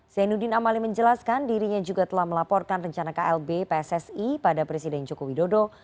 zainuddin amali menjelaskan dirinya juga telah melaporkan rencana klb pssi pada presiden joko widodo